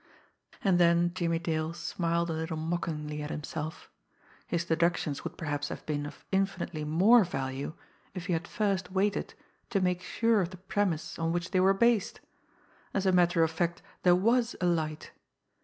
And then Jimmie Dale smiled a little mockingly at himself. His deductions would perhaps have been of infinitely more value if he had first waited to make sure of the premise on which they were based! As a matter of fact, there was a light!